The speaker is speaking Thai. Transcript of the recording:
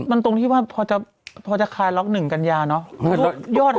ผมต้องเฮียว่าพอจะคลายล็อก๑กันละเนี่ยเนาะ